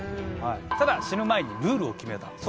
ただ死ぬ前にルールを決めた。